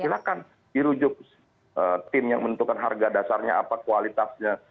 silahkan dirujuk tim yang menentukan harga dasarnya apa kualitasnya